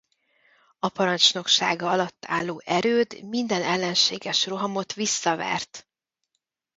A parancsnoksága alatt álló erőd minden ellenséges rohamot visszavert.